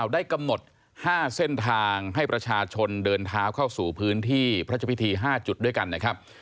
ได้กำหนด๕เส้นทางให้ประชาชนเดินเท้าเข้าสู่พื้นที่พระเจ้าพิธี๕จุดด้วยกันนะครับ